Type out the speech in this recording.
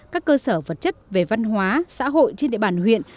các cơ sở vật chất về văn hóa xã hội trên địa bàn huyện